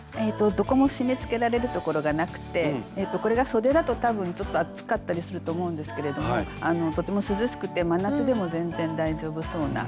どこも締めつけられるところがなくてこれがそでだと多分ちょっと暑かったりすると思うんですけれどもとても涼しくて真夏でも全然大丈夫そうな。